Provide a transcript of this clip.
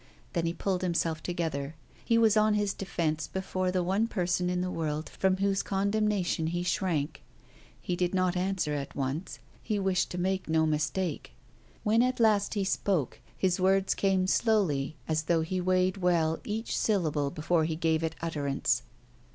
Then he pulled himself together. He was on his defence before the one person in the world from whose condemnation he shrank. He did not answer at once. He wished to make no mistake. When at last he spoke his words came slowly as though he weighed well each syllable before he gave it utterance.